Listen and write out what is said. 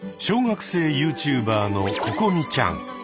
小学生ユーチューバーのここみちゃん。